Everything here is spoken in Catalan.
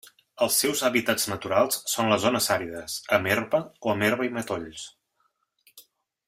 Els seus hàbitats naturals són les zones àrides, amb herba o amb herba i matolls.